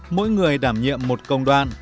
mỗi người đảm nhiệm một công đoạn